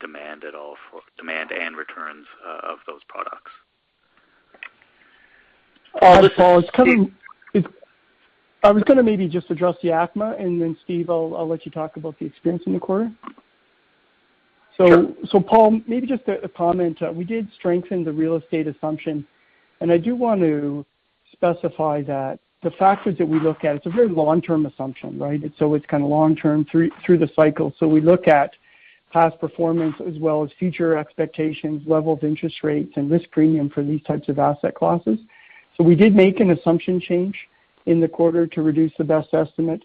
demand at all for demand and returns of those products. Paul, it's Kevin. I was going to maybe just address the ACMA, and then Steve, I'll let you talk about the experience in the quarter. Sure. Paul, maybe just a comment. We did strengthen the real estate assumption, and I do want to specify that the factors that we look at, it's a very long-term assumption, right? It's kind of long-term through the cycle. We look at past performance as well as future expectations, levels of interest rates and risk premium for these types of asset classes. We did make an assumption change in the quarter to reduce the best estimate,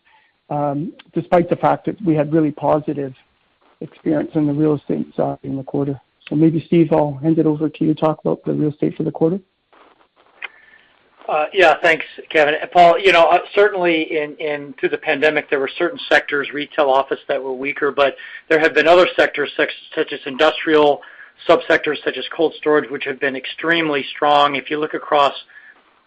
despite the fact that we had really positive experience in the real estate side in the quarter. Maybe Steve, I'll hand it over to you to talk about the real estate for the quarter. Yeah, thanks, Kevin. Paul, you know, certainly through the pandemic, there were certain sectors, retail office that were weaker, but there have been other sectors, such as industrial sub-sectors such as cold storage, which have been extremely strong. If you look across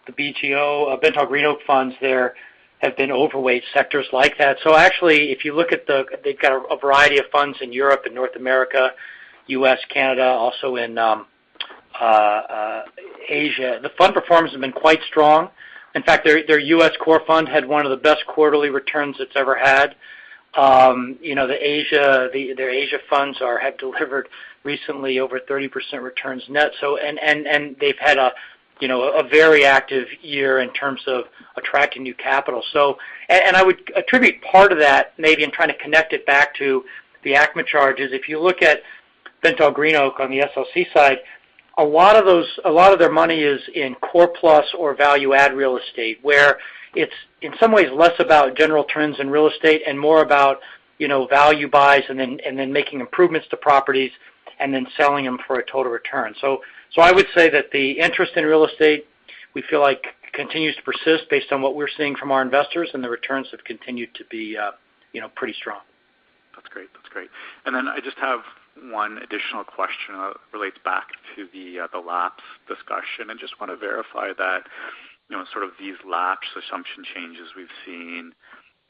the BGO, BentallGreenOak funds, there have been overweight sectors like that. Actually, if you look at the, they've got a variety of funds in Europe and North America, U.S., Canada, also in Asia. The fund performance has been quite strong. In fact, their U.S. core fund had one of the best quarterly returns it's ever had. You know, their Asia funds have delivered recently over 30% returns net. And they've had a very active year in terms of attracting new capital. I would attribute part of that maybe in trying to connect it back to the ACMA charges. If you look at BentallGreenOak on the SLC side, a lot of their money is in core plus or value add real estate, where it's in some ways less about general trends in real estate and more about value buys and then making improvements to properties and then selling them for a total return. I would say that the interest in real estate we feel like continues to persist based on what we're seeing from our investors, and the returns have continued to be pretty strong. That's great. That's great. I just have one additional question that relates back to the lapse discussion. I just want to verify that, you know, sort of these lapse assumption changes we've seen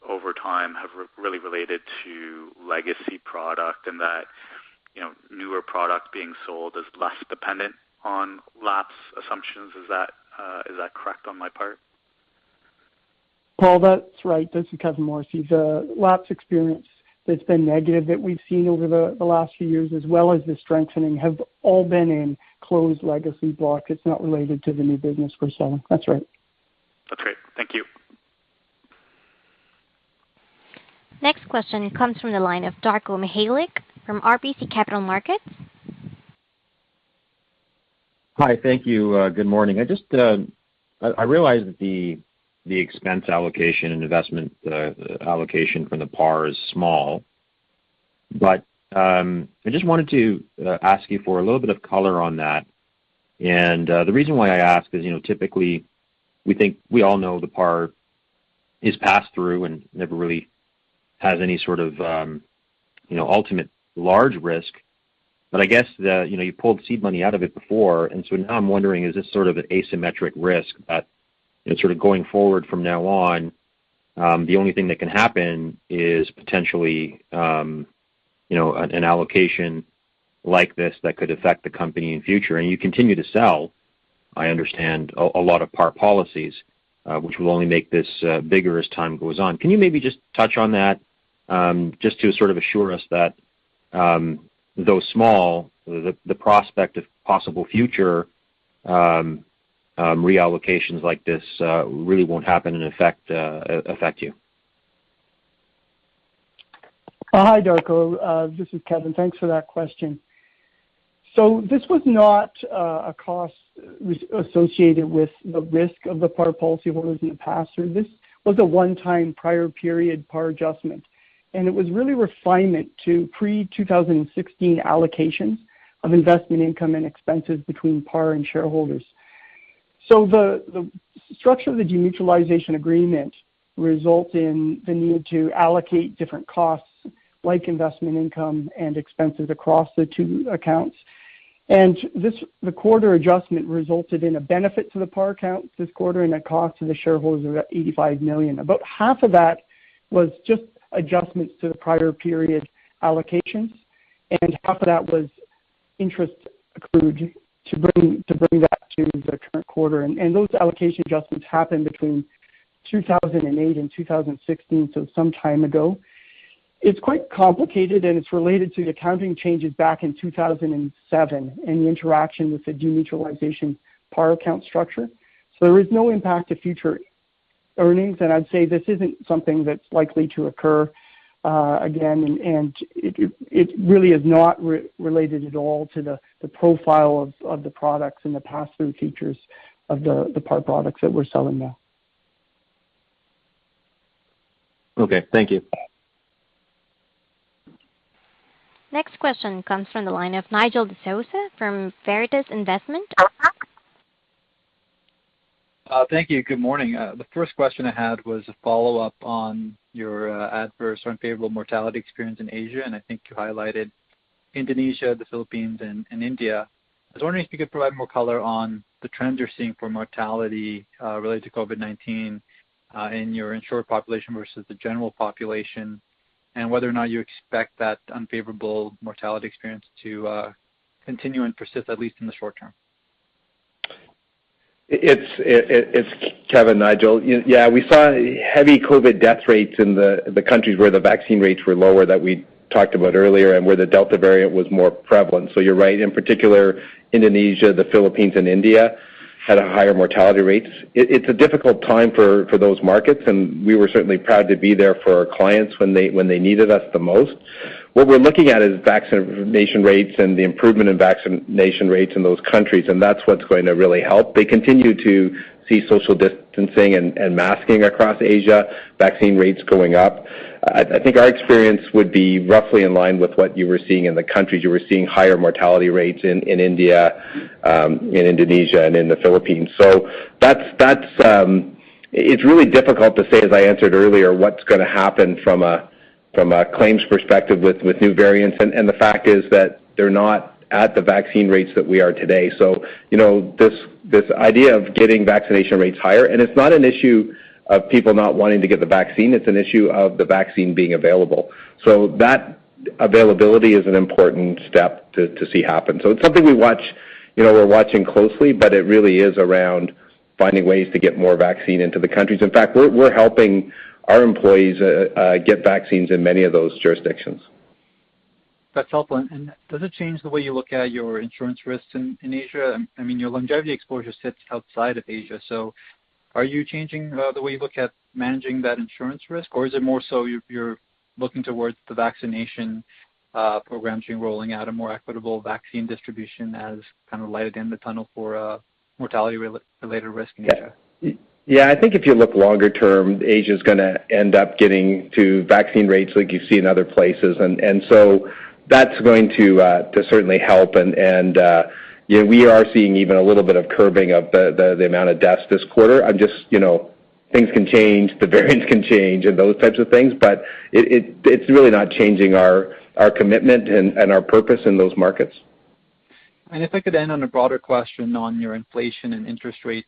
over time have really related to legacy product and that, you know, newer product being sold is less dependent on lapse assumptions. Is that correct on my part? Paul, that's right. This is Kevin Morrissey. The loss experience that's been negative that we've seen over the last few years as well as the strengthening have all been in closed legacy block. It's not related to the new business we're selling. That's right. That's great. Thank you. Next question comes from the line of Darko Mihelic from RBC Capital Markets. Hi. Thank you. Good morning. I just realize that the expense allocation and investment allocation from the par is small. I just wanted to ask you for a little bit of color on that. The reason why I ask is, you know, typically, we think we all know the par is passed through and never really has any sort of, you know, ultimate large risk. I guess, you know, you pulled seed money out of it before, and so now I'm wondering, is this sort of an asymmetric risk that, you know, sort of going forward from now on, the only thing that can happen is potentially, you know, an allocation like this that could affect the company in future. You continue to sell, I understand, a lot of par policies, which will only make this bigger as time goes on. Can you maybe just touch on that, just to sort of assure us that, though small, the prospect of possible future reallocations like this really won't happen and affect you? Hi, Darko. This is Kevin. Thanks for that question. This was not a cost associated with the risk of the par policyholders in the past. This was a one-time prior period par adjustment, and it was really refinement to pre-2016 allocations of investment income and expenses between par and shareholders. The structure of the demutualization agreement result in the need to allocate different costs like investment income and expenses across the two accounts. The quarter adjustment resulted in a benefit to the par accounts this quarter and a cost to the shareholders of about 85 million. About half of that was just adjustments to the prior period allocations, and half of that was interest accrued to bring that to the current quarter. Those allocation adjustments happened between 2008 and 2016, so some time ago. It's quite complicated, and it's related to the accounting changes back in 2007 and the interaction with the demutualization par account structure. There is no impact to future earnings, and I'd say this isn't something that's likely to occur again. It really is not related at all to the profile of the products and the pass-through features of the par products that we're selling now. Okay. Thank you. Next question comes from the line of Nigel D'Souza from Veritas Investment Research. Thank you. Good morning. The first question I had was a follow-up on your adverse unfavorable mortality experience in Asia, and I think you highlighted Indonesia, the Philippines, and India. I was wondering if you could provide more color on the trends you're seeing for mortality related to COVID-19 in your insured population versus the general population, and whether or not you expect that unfavorable mortality experience to continue and persist, at least in the short term. It's Kevin, Nigel. Yeah, we saw heavy COVID death rates in the countries where the vaccine rates were lower that we talked about earlier and where the Delta variant was more prevalent. You're right. In particular, Indonesia, the Philippines, and India had higher mortality rates. It's a difficult time for those markets, and we were certainly proud to be there for our clients when they needed us the most. What we're looking at is vaccination rates and the improvement in vaccination rates in those countries, and that's what's going to really help. They continue to see social distancing and masking across Asia, vaccine rates going up. I think our experience would be roughly in line with what you were seeing in the countries. You were seeing higher mortality rates in India, in Indonesia, and in the Philippines. That's really difficult to say, as I answered earlier, what's going to happen from a claims perspective with new variants. The fact is that they're not at the vaccine rates that we are today. You know, this idea of getting vaccination rates higher, and it's not an issue of people not wanting to get the vaccine, it's an issue of the vaccine being available. That availability is an important step to see happen. It's something we watch, you know, we're watching closely, but it really is around finding ways to get more vaccine into the countries. In fact, we're helping our employees get vaccines in many of those jurisdictions. That's helpful. Does it change the way you look at your insurance risks in Asia? I mean, your longevity exposure sits outside of Asia. Are you changing the way you look at managing that insurance risk, or is it more so you're looking towards the vaccination programs you're rolling out, a more equitable vaccine distribution as kind of light at the end of the tunnel for mortality reinsurance-related risk in Asia? Yeah. I think if you look longer term, Asia's going to end up getting to vaccine rates like you see in other places, and that's going to certainly help. You know, we are seeing even a little bit of a curve in the amount of deaths this quarter. I'm just, you know, things can change, the variants can change, and those types of things, but it's really not changing our commitment and our purpose in those markets. If I could end on a broader question on your inflation and interest rate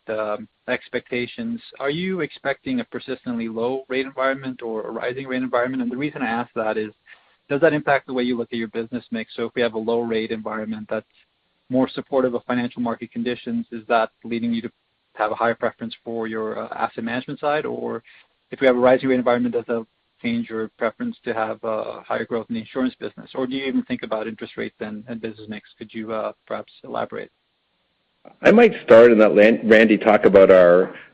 expectations. Are you expecting a persistently low rate environment or a rising rate environment? The reason I ask that is does that impact the way you look at your business mix? If we have a low rate environment that's more supportive of financial market conditions, is that leading you to have a higher preference for your, asset management side? Or if we have a rising rate environment, does that change your preference to have, higher growth in the insurance business? Or do you even think about interest rates and business mix? Could you, perhaps elaborate? I might start and let Randy talk about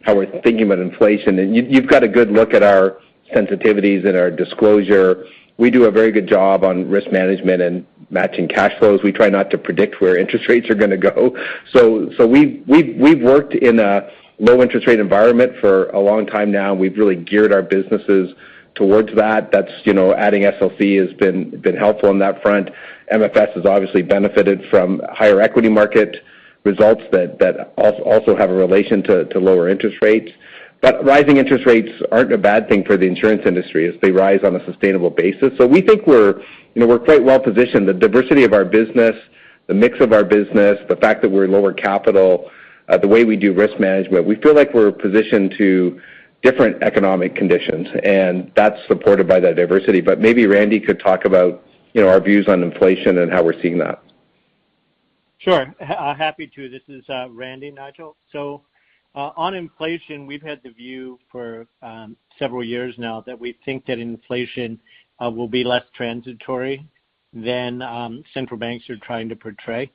how we're thinking about inflation. You, you've got a good look at our sensitivities in our disclosure. We do a very good job on risk management and matching cash flows. We try not to predict where interest rates are going to go. We've worked in a low interest rate environment for a long time now, and we've really geared our businesses towards that. That's, you know, adding SLC has been helpful on that front. MFS has obviously benefited from higher equity market results that also have a relation to lower interest rates. Rising interest rates aren't a bad thing for the insurance industry as they rise on a sustainable basis. We think we're, you know, we're quite well positioned. The diversity of our business, the mix of our business, the fact that we're lower capital, the way we do risk management, we feel like we're positioned to different economic conditions, and that's supported by that diversity. But maybe Randy could talk about, you know, our views on inflation and how we're seeing that. Sure. Happy to. This is Randy, Nigel. On inflation, we've had the view for several years now that we think that inflation will be less transitory than central banks are trying to portray.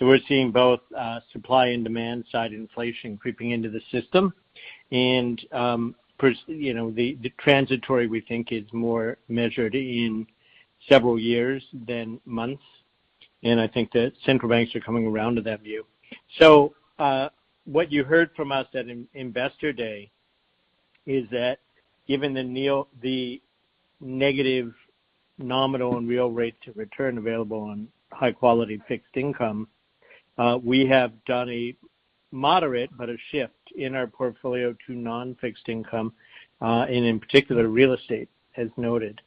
We're seeing both supply and demand side inflation creeping into the system. First, you know, the transitory we think is more measured in several years than months, and I think that central banks are coming around to that view. What you heard from us at Investor Day is that given the negative nominal and real rate of return available on high quality fixed income, we have done a moderate but a shift in our portfolio to non-fixed income, and in particular, real estate as noted,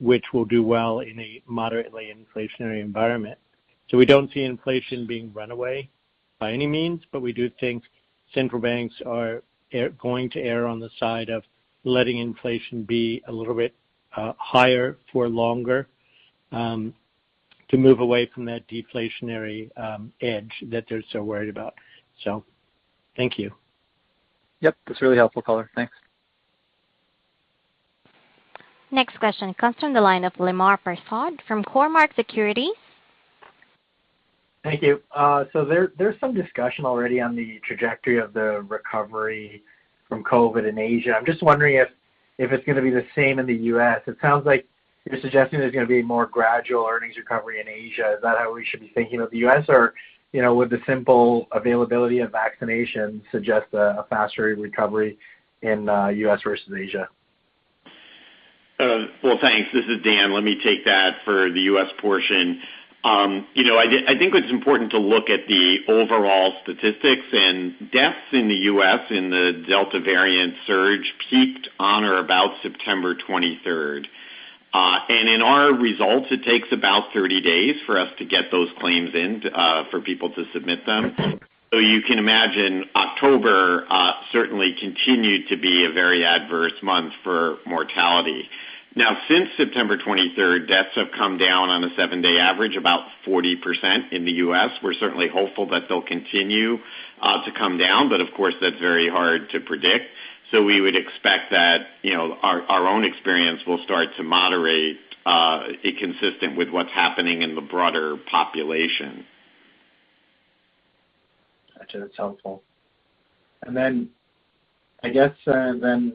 which will do well in a moderately inflationary environment. We don't see inflation being runaway by any means, but we do think central banks are going to err on the side of letting inflation be a little bit higher for longer to move away from that deflationary edge that they're so worried about. Thank you. Yep, that's really helpful, caller. Thanks. Next question comes from the line of Lemar Persaud from Cormark Securities. Thank you. There's some discussion already on the trajectory of the recovery from COVID in Asia. I'm just wondering if it's going to be the same in the U.S. It sounds like you're suggesting there's going to be more gradual earnings recovery in Asia. Is that how we should be thinking of the U.S.? Or, you know, would the simple availability of vaccinations suggest a faster recovery in the U.S. versus Asia? Well, thanks. This is Dan. Let me take that for the U.S. portion. You know, I think it's important to look at the overall statistics and deaths in the U.S. in the Delta variant surge peaked on or about September 23rd. In our results, it takes about 30 days for us to get those claims in, for people to submit them. You can imagine October certainly continued to be a very adverse month for mortality. Now, since September 23rd, deaths have come down on a seven-day average, about 40% in the U.S. We're certainly hopeful that they'll continue to come down, but of course, that's very hard to predict. We would expect that, you know, our own experience will start to moderate, consistent with what's happening in the broader population. Gotcha. That's helpful. I guess on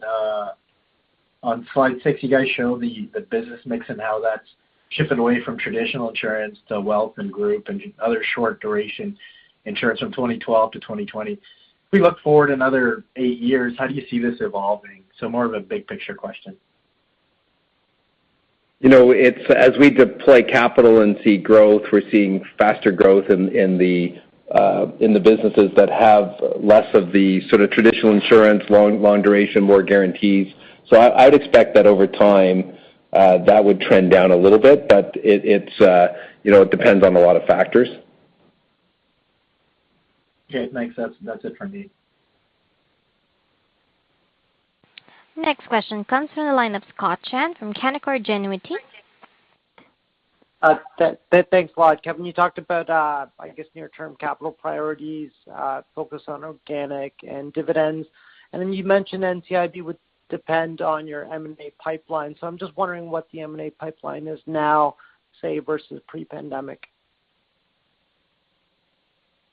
slide 60, guys, show the business mix and how that's shifted away from traditional insurance to wealth and group and other short duration insurance from 2012 to 2020. If we look forward another eight years, how do you see this evolving? More of a big picture question. You know, it's as we deploy capital and see growth, we're seeing faster growth in the businesses that have less of the sort of traditional insurance, long duration, more guarantees. I'd expect that over time that would trend down a little bit, but it's, you know, it depends on a lot of factors. Yeah, it makes sense. That's it for me. Next question comes from the line of Scott Chan from Canaccord Genuity. Thanks a lot, Kevin. You talked about, I guess, near term capital priorities, focus on organic and dividends. You mentioned NCIB would depend on your M&A pipeline. I'm just wondering what the M&A pipeline is now, say, versus pre-pandemic.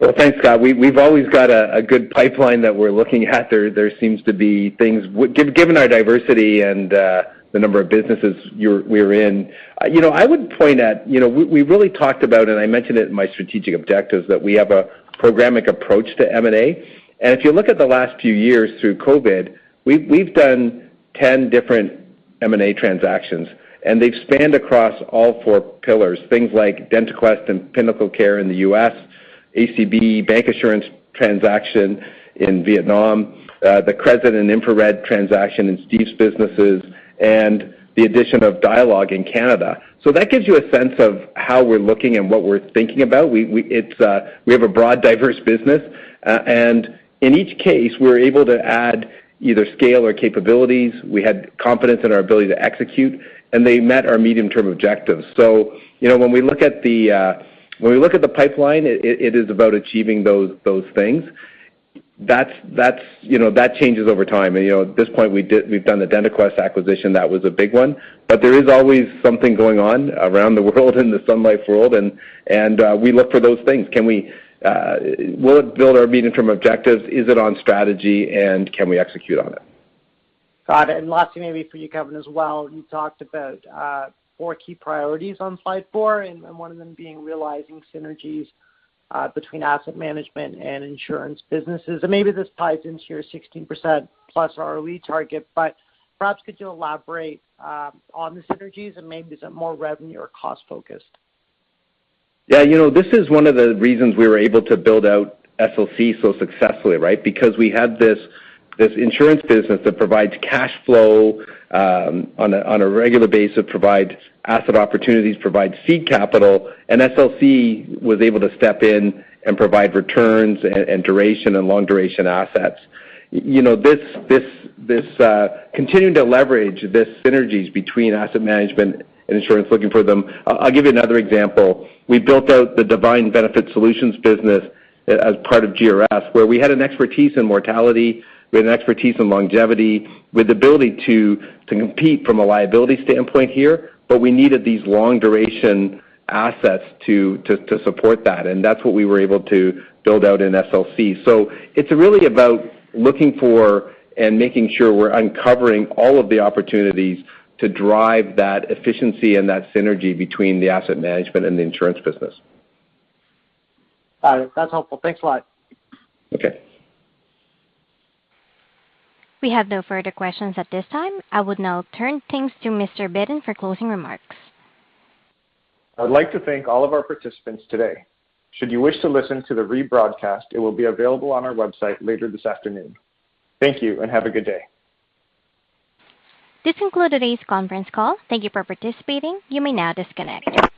Well, thanks, Scott. We've always got a good pipeline that we're looking at. There seems to be things given our diversity and the number of businesses we're in. You know, I would point at, you know, we really talked about, and I mentioned it in my strategic objectives, that we have a programmatic approach to M&A. If you look at the last few years through COVID, we've done 10 different M&A transactions, and they've spanned across all four pillars. Things like DentaQuest and PinnacleCare in the U.S., ACB bancassurance transaction in Vietnam, the Crescent and InfraRed transaction in Steve's businesses, and the addition of Dialogue in Canada. That gives you a sense of how we're looking and what we're thinking about. We have a broad, diverse business. In each case, we're able to add either scale or capabilities. We had confidence in our ability to execute, and they met our medium-term objectives. You know, when we look at the pipeline, it is about achieving those things. That's, you know, that changes over time. You know, at this point we've done the DentaQuest acquisition, that was a big one. There is always something going on around the world, in the Sun Life world, and we look for those things. Can we will it build our medium-term objectives? Is it on strategy and can we execute on it? Got it. Lastly, maybe for you, Kevin, as well, you talked about four key priorities on slide four, and one of them being realizing synergies between asset management and insurance businesses. Maybe this ties into your 16%+ ROE target, but perhaps could you elaborate on the synergies and maybe is it more revenue or cost focused? Yeah, you know, this is one of the reasons we were able to build out SLC so successfully, right? Because we had this insurance business that provides cash flow on a regular basis, provide asset opportunities, provide seed capital. SLC was able to step in and provide returns and duration and long duration assets. You know, this continuing to leverage the synergies between asset management and insurance, looking for them. I'll give you another example. We built out the Defined Benefit Solutions business as part of GRS, where we had an expertise in mortality, we had an expertise in longevity, with ability to compete from a liability standpoint here, but we needed these long duration assets to support that. That's what we were able to build out in SLC. It's really about looking for and making sure we're uncovering all of the opportunities to drive that efficiency and that synergy between the asset management and the insurance business. All right. That's helpful. Thanks a lot. Okay. We have no further questions at this time. I would now turn things to Mr. Bitton for closing remarks. I would like to thank all of our participants today. Should you wish to listen to the rebroadcast, it will be available on our website later this afternoon. Thank you, and have a good day. This concludes today's conference call. Thank you for participating. You may now disconnect.